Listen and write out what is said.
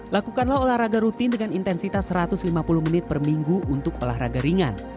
lakukanlah olahraga rutin dengan intensitas satu ratus lima puluh menit per minggu untuk olahraga ringan